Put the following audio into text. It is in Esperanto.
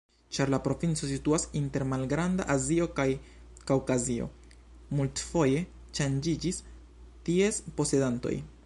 Ĉar la provinco situas inter Malgranda Azio kaj Kaŭkazio, multfoje ŝanĝiĝis ties posedantoj.